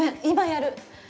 今やる！